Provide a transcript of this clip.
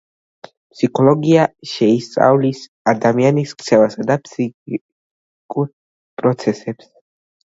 ფსიქოლოგია შეისწავლის ადამიანის ქცევასა და ფსიქიკურ პროცესებს.